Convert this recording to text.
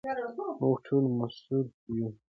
موږ ټول مسوول یو.